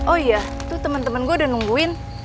oh iya tuh temen temen gue udah nungguin